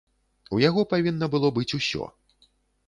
У яго павінна было быць усё.